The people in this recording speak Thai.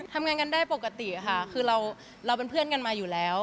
ทำงานกันได้ปกติค่ะคือเราเป็นเพื่อนกันมาอยู่แล้ว